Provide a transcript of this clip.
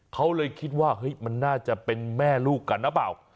เขาเลยคิดว่าเฮ้ยมันน่าจะเป็นแม่ลูกกันหรือเปล่า